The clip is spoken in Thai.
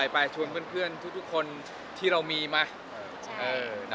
ไปชวนเพื่อนที่เรามีมา